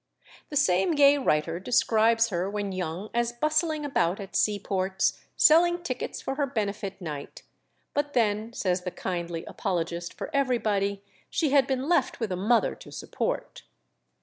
The same gay writer describes her when young as bustling about at sea ports, selling tickets for her benefit night; but then, says the kindly apologist for everybody, she had been left with a mother to support.